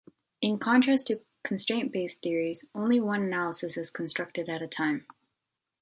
In contrast to constraint-based theories, only one analysis is constructed at a time.